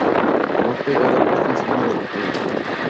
Va pegada justo encima de la tabla.